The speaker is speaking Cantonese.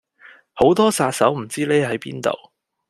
好多殺手唔知匿喺邊度